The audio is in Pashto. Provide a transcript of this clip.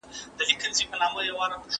ایا ملي بڼوال وچ انار پروسس کوي؟